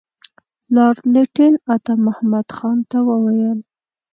لارډ لیټن عطامحمد خان ته وویل.